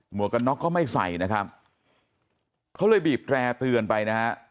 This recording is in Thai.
วกกันน็อกก็ไม่ใส่นะครับเขาเลยบีบแร่เตือนไปนะฮะ